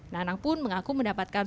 nanang pun mengaku mendapatkan